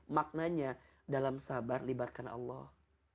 maknanya dalam sabar libatkan allah